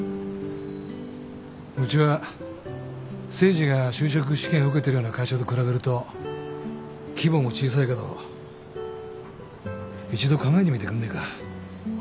うちは誠治が就職試験受けてるような会社と比べると規模も小さいけど一度考えてみてくんねえか。